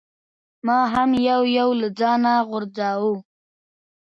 ما هم یو یو له ځانه غورځاوه.